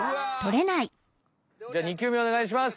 じゃ２球目おねがいします。